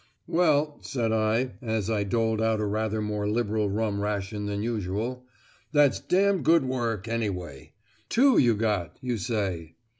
"Well," said I, as I doled out a rather more liberal rum ration than usual, "that's d good work, anyway. Two you got, you say?